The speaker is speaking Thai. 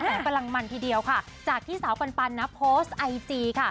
กำลังมันทีเดียวค่ะจากที่สาวปันนะโพสต์ไอจีค่ะ